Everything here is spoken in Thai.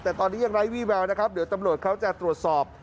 แต่ตอนนี้ยังไร้วี่แววนะครับเดี๋ยวตำรวจเขาจะตรวจสอบ